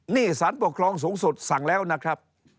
นี่สารปกครองสูงสุดสั่งแล้วนะครับ